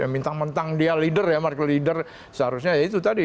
mentang mentang dia leader ya market leader seharusnya ya itu tadi